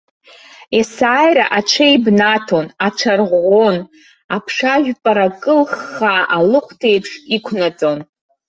Есааира аҽеибнаҭон, аҽарӷәӷәон, аԥша ажәпара кылхха алыхәҭеиԥш иқәнаҵон.